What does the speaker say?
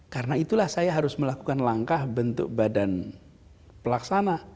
karena itulah saya harus melakukan langkah bentuk badan pelaksana